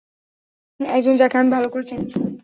একজন যাকে আমি ভালো করে চিনি।